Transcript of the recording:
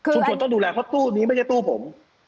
ต้องดูแลเพราะตู้นี้ไม่ใช่ตู้ผม